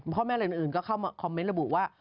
พ่อแม่อะไรอื่นก็เข้ามาคอมเมนต์ระบุว่า